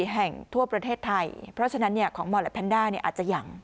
แห่งทั่วประเทศไทยเพราะฉะนั้นของมอลและแพนด้าอาจจะยัง